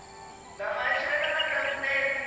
なまえしらなかったッスねスイ